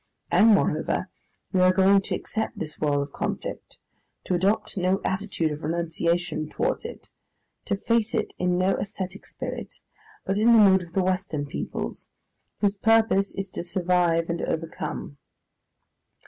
And, moreover, we are going to accept this world of conflict, to adopt no attitude of renunciation towards it, to face it in no ascetic spirit, but in the mood of the Western peoples, whose purpose is to survive and overcome.